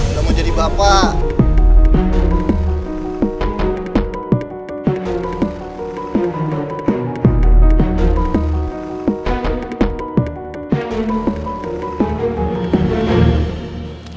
udah mau jadi bapak